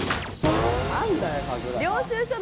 何だよ！